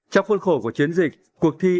trong khuôn khổ của chiến dịch cuộc thi